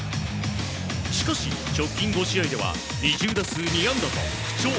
しかし、直近５試合では２０打数２安打と不調。